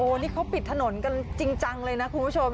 นี่เขาปิดถนนกันจริงจังเลยนะคุณผู้ชม